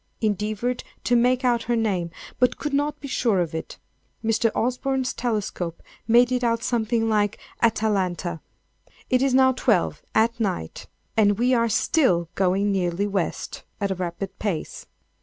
Endeavored to make out her name, but could not be sure of it. Mr. Osborne's telescope made it out something like "Atalanta." It is now 12, at night, and we are still going nearly west, at a rapid pace.